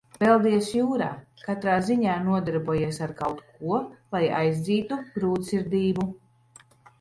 Peldies jūrā, katrā ziņā nodarbojies ar kaut ko, lai aizdzītu grūtsirdību.